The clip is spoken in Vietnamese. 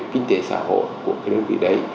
kinh tế xã hội của cái đơn vị đấy